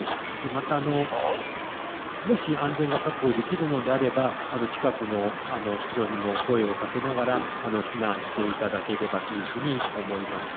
また、もし安全が確保できるのであれば近くの人にも声をかけながら避難していただければというふうに思います。